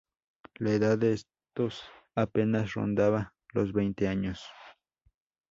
La edad de estos apenas rondaba los veinte años.